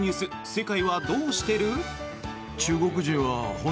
世界はどうしてる？